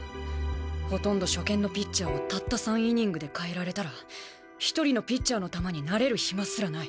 ほとんど初見のピッチャーをたった３イニングで代えられたら一人のピッチャーの球に慣れる暇すらない。